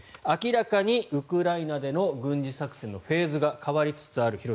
明らかにウクライナでの軍事作戦のフェーズが変わりつつある。